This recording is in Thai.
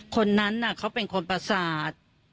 คนนั้นเขาเป็นคนประสาท